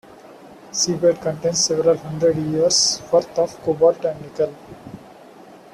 Seabed contains "several hundred years' worth of cobalt and nickel".